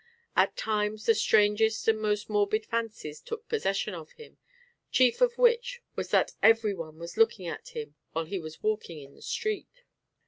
At times the strangest and most morbid fancies took possession of him, chief of which was that every one was looking at him while he was walking in the street.